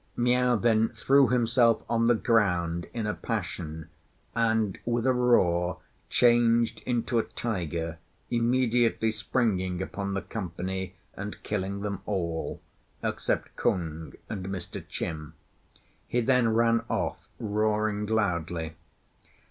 Miao then threw himself on the ground in a passion, and with a roar changed into a tiger, immediately springing upon the company, and killing them all except Kung and Mr. Chin. He then ran off roaring loudly.